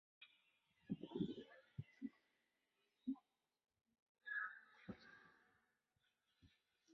穆尔塔诺沃村委员会是俄罗斯联邦阿斯特拉罕州沃洛达尔斯基区所属的一个村委员会。